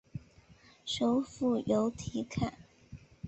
首府由提卡。